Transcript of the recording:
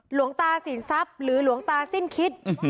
หลวงตาสินทรัพย์หรือหลวงตาสิ้นคิด